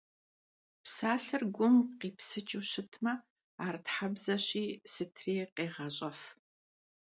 Псалъэр гум къипсыкӏыу щытмэ ар Тхьэбзэщи сытри къегъащӏэф.